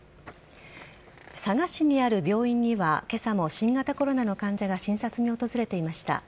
佐賀市にある病院には今朝も新型コロナの患者が診察に訪れていました。